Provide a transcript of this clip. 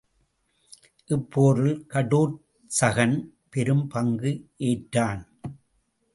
இப்போரில் கடோற்சகன் பெரும் பங்கு ஏற்றான்.